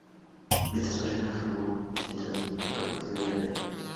Estas personas forman centros en las conexiones de red.